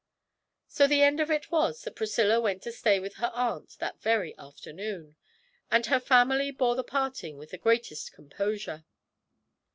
So the end of it was that Priscilla went to stay with her aunt that very afternoon, and her family bore the parting with the greatest composure.